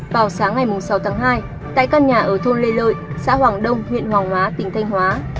vào sáng ngày sáu tháng hai tại căn nhà ở thôn lê lợi xã hoàng đông huyện hoàng hóa tỉnh thanh hóa